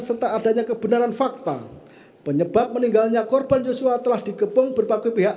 serta adanya kebenaran fakta penyebab meninggalnya korban joshua telah dikepung berbagai pihak